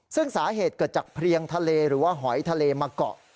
ซึ่งสาเหตุเกิดจากเพลียงทะเลหรือว่าหอยทะเลมาเกาะ